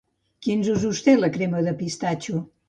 Quins usos té la crema de pistatxo?